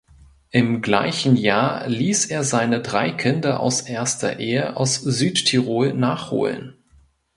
Im gleichen Jahr ließ er seine drei Kinder aus erster Ehe aus Südtirol nachholen.